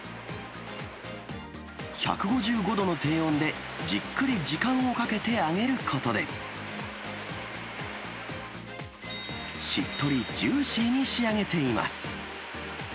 １５５度の低温でじっくり時間をかけて揚げることで、しっとりジューシーに仕上げています。